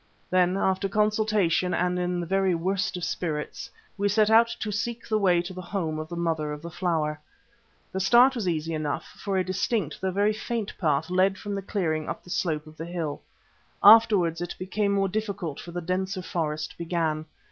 Then, after consultation and in the very worst of spirits, we set out to seek the way to the home of the Mother of the Flower. The start was easy enough, for a distinct, though very faint path led from the clearing up the slope of the hill. Afterwards it became more difficult for the denser forest began.